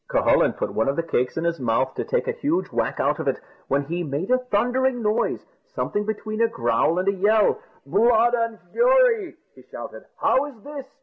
Cucullin put one of the cakes in his mouth to take a huge whack out of it, when he made a thundering noise, something between a growl and a yell. "Blood and fury!" he shouted; "how is this?